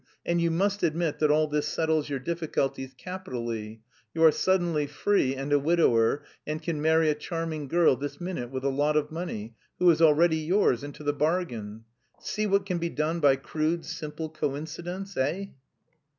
And you must admit that all this settles your difficulties capitally: you are suddenly free and a widower and can marry a charming girl this minute with a lot of money, who is already yours, into the bargain. See what can be done by crude, simple coincidence eh?"